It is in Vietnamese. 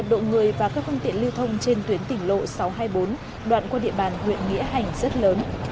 theo phân tiện lưu thông trên tuyến tỉnh lộ sáu trăm hai mươi bốn đoạn qua địa bàn huyện nghĩa hành rất lớn